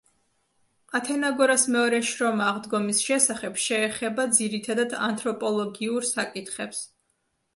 ათენაგორას მეორე შრომა „აღდგომის შესახებ“ შეეხება ძირითადად ანთროპოლოგიურ საკითხებს.